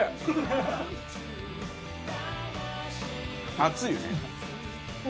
熱いよね。